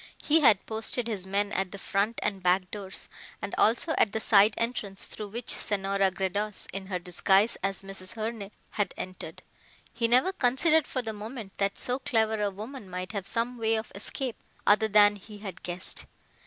He had posted his men at the front and back doors and also at the side entrance through which Senora Gredos in her disguise as Mrs. Herne had entered. He never considered for the moment that so clever a woman might have some way of escape other than he had guessed.